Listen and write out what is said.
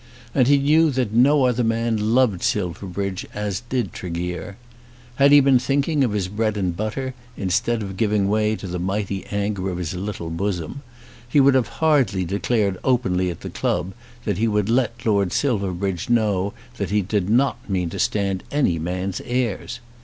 And he knew that no other man loved Silverbridge as did Tregear. Had he been thinking of his bread and butter, instead of giving way to the mighty anger of his little bosom, he would have hardly declared openly at the club that he would let Lord Silverbridge know that he did not mean to stand any man's airs.